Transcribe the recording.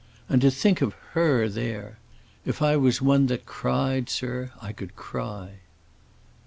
And to think of her there! If I was one that cried, sir, I could cry."